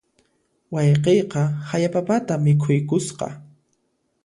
Wayqiyqa haya papata mikhuykusqa.